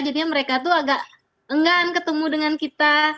jadinya mereka tuh agak enggan ketemu dengan kita